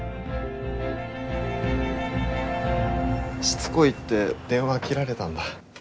しつこいって電話切られたんだ。